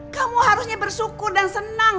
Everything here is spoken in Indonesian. kamu harusnya bersyukur dan senang